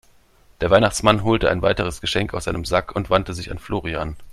Der Weihnachtsmann holte ein weiteres Geschenk aus seinem Sack und wandte sich an Florian.